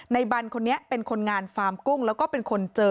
บันคนนี้เป็นคนงานฟาร์มกุ้งแล้วก็เป็นคนเจอ